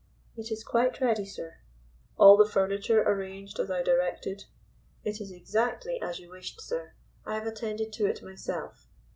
"It is quite ready, sir." "All the furniture arranged as I directed?" "It is exactly as you wished, sir. I have attended to it myself."